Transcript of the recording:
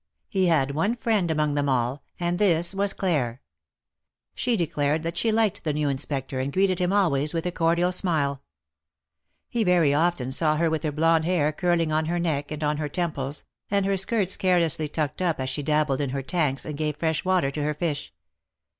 He had one friend among them all, and this was Claire. She declared that she liked the new Inspector, and greeted him always with a cordial smile. He very often saw her 144 THE MARKETS OF PARIS. with her blonde hair curling on her neck and on her temples, and her skirts carelessly tucked up as she dabbled in her tanks, and gave fresh water to her fish.